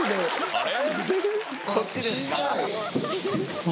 あれ？